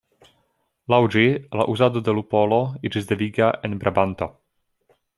Laŭ ĝi la uzado de lupolo iĝis deviga en Brabanto.